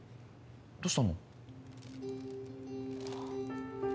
どうしたの？